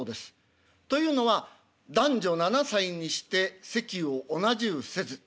というのは「男女七歳にして席を同じうせず」。